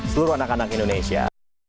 seluruh anak anak indonesia